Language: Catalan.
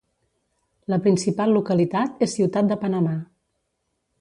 La principal localitat és Ciutat de Panamà.